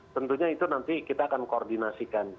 tentunya itu nanti kita akan koordinasikan